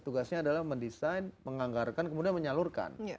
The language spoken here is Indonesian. tugasnya adalah mendesain menganggarkan kemudian menyalurkan